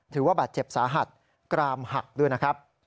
ถือว่าบาดเจ็บสาหัสกรามหักด้วยนะครับ